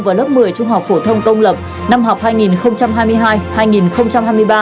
vào lớp một mươi trung học phổ thông công lập năm học hai nghìn hai mươi hai hai nghìn hai mươi ba